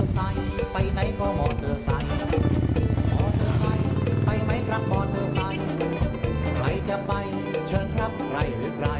นี่ฉันชอบมากเลย